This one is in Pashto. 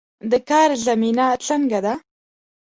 د کار زمینه څنګه ده؟